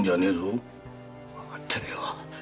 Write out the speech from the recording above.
わかってるよ。